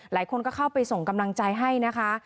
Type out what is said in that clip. หลายคนก็เข้าไปส่งกำลังใจให้นะคะ